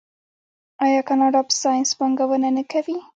آیا کاناډا په ساینس پانګونه نه کوي؟